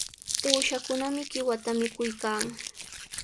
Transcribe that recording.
Uushakunami qiwata mikuykan.